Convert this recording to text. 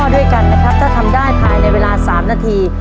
ด้วยกันนะครับถ้าทำได้ภายในเวลา๓นาที